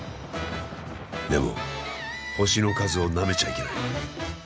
でも星の数をなめちゃいけない。